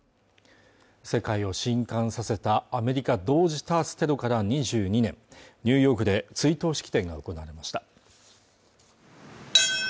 世界を震撼させたアメリカ同時多発テロから２２年ニューヨークで追悼式典が行われました